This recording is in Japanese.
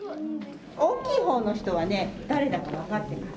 大きいほうの人は誰か分かっています。